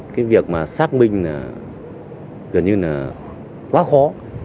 cái việc mà xác minh là gần như là quá khó